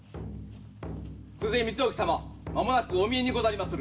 久世光意様間もなくお見えにござりまする。